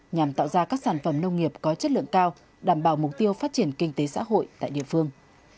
nhằm tạo ra các sản phẩm nông nghiệp có chất lượng cao đảm bảo mục tiêu phát triển kinh tế xã hội tại địa phương